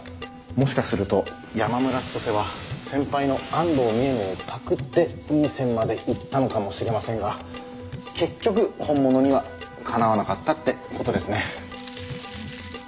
もしかすると山村千歳は先輩の安藤美絵のをパクっていい線までいったのかもしれませんが結局本物にはかなわなかったって事ですね。